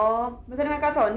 kamu sedang menangkap sony